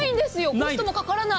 コストもかからない。